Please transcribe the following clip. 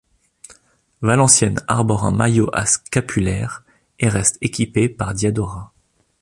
Valenciennes arbore un maillot à scapulaire et reste équipé par Diadora.